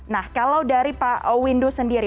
nah kalau dari pak windu sendiri